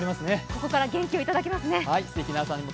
ここから元気をいただきますね。